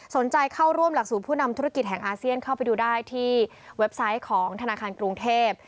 เข้าร่วมหลักสูตรผู้นำธุรกิจแห่งอาเซียนเข้าไปดูได้ที่เว็บไซต์ของธนาคารกรุงเทพ